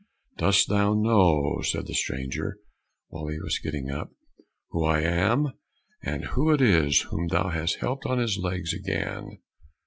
"Dost thou know," said the stranger, whilst he was getting up, "who I am, and who it is whom thou hast helped on his legs again?"